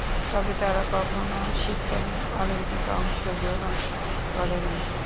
তবে তারা কখনও শীতকালীন অলিম্পিকে অংশগ্রহণ করেনি।